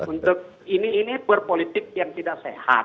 untuk ini ini berpolitik yang tidak sehat